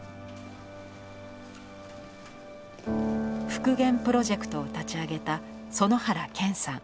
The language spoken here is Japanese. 復元プロジェクトを立ち上げた園原謙さん。